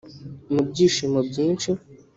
Mu byishimo byinshi